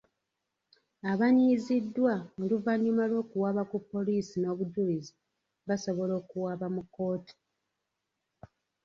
Abanyiiziddwa oluvannyuma lw'okuwaaba ku poliisi n'obujulizi basobola okuwaaba mu kkooti.